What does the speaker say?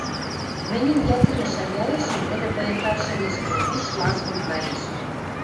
Мӹньӹн йӓтлӹмӹ шаяэшем тӹдӹ пыйыртат шӹдешкӹде, пиш ласкон каеш.